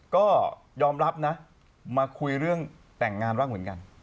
ก็ยอมรับนะมาคุยเรื่องแต่งงานบ้างเหมือนกัน